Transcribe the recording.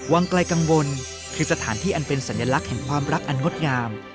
วังไกลกังวลคือสถานที่อันเป็นสัญลักษณ์แห่งความรักอันงดงาม